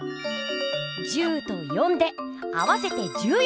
１０と４で合わせて１４！